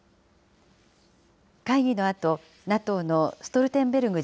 会議のあと、ＮＡＴＯのストルテンベルグ